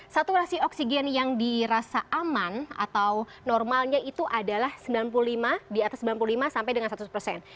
saturasi oksigen yang dirasa aman atau normalnya itu adalah sembilan puluh lima di atas sembilan puluh lima sampai dengan seratus persen